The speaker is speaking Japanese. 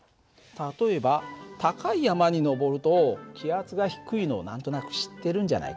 例えば高い山に登ると気圧が低いのを何となく知ってるんじゃないかな。